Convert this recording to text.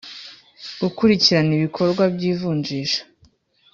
Gukurikirana ibikorwa by ivunjisha